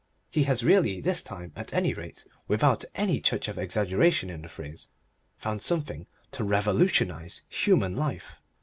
He has really, this time at any rate, without any touch of exaggeration in the phrase, found something to revolutionise human life.